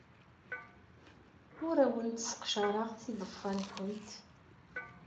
Ur awent-sseqcareɣ tiḍeffa-nwent.